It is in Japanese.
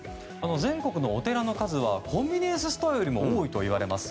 全国のお寺の数はコンビニエンスストアよりも多いといわれます。